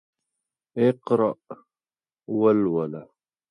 د علق سورت په ولوله کلمې سره پیل کېږي.